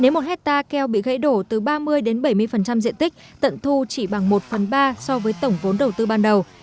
nếu một hectare keo bị gãy đổ từ ba mươi bảy mươi diện tích tận thu chỉ bằng một phần ba so với tổng vốn đầu tư ban đầu